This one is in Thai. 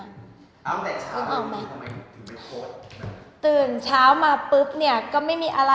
อ้าวแต่เช้าทำไมถึงไปโฟส